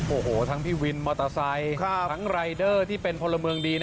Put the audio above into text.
โอ้โหทั้งพี่วินมอเตอร์ไซค์ทั้งรายเดอร์ที่เป็นพลเมืองดี